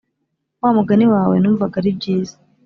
wamugani wawe numvaga aribyiza